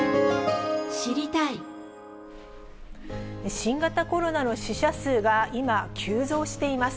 新型コロナの死者数が今、急増しています。